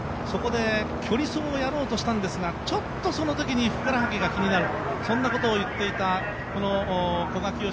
そこで、距離走をやろうとしたんですがちょっとそのときにふくらはぎが気になるとそんなことを言っていた古賀淳